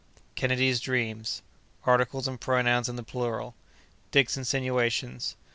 Kennedy's Dreams.—Articles and Pronouns in the Plural.—Dick's Insinuations.